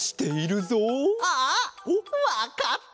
あわかった！